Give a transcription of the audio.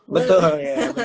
betul iya benar